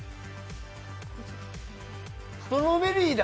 ストロベリーだ！